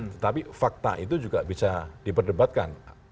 tetapi fakta itu juga bisa diperdebatkan